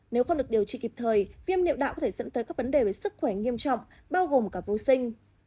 nếu không được điều trị kịp thời viêm nạo có thể dẫn tới các vấn đề về sức khỏe nghiêm trọng bao gồm cả vô sinh